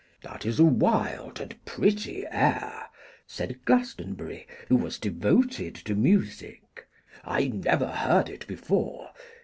'That is a wild and pretty air,' said Glastonbury, who was devoted to music. 'I never heard it before.